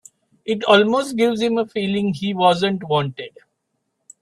It almost gives him a feeling he wasn't wanted.